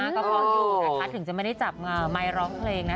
ก็เพราะอยู่นะคะถึงจะไม่ได้จับไมค์ร้องเพลงนะ